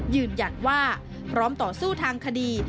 ยืนยันว่าพร้อมต่อสู้ทางคดี